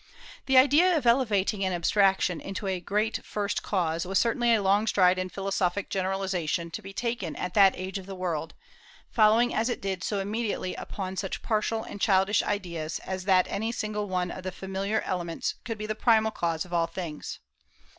The idea of elevating an abstraction into a great first cause was certainly a long stride in philosophic generalization to be taken at that age of the world, following as it did so immediately upon such partial and childish ideas as that any single one of the familiar "elements" could be the primal cause of all things.